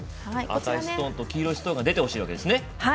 赤いストーンと黄色いストーンが出てほしいわけですね。